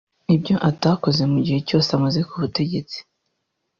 Ibyo atakoze mu gihe cyose amaze ku butegetsi